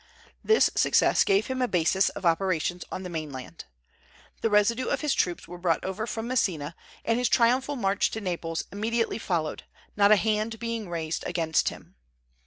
This success gave him a basis of operations on the main land. The residue of his troops were brought over from Messina, and his triumphal march to Naples immediately followed, not a hand being raised against him.